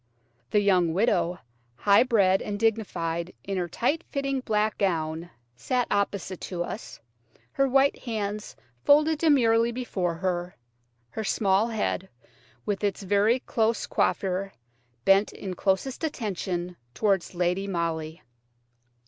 The young widow, high bred and dignified in her tight fitting black gown, sat opposite to us, her white hands folded demurely before her, her small head, with its very close coiffure, bent in closest attention towards Lady Molly.